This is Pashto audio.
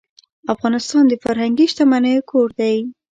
افغانستان د فرهنګي شتمنیو کور دی.